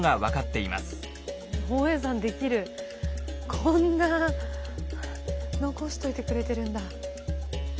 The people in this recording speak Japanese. こんな残しといてくれてるんだ。